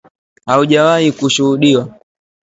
haujawahi kushuhudiwa